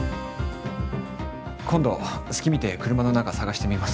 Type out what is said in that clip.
今度隙見て車の中探してみます。